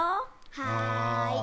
はい。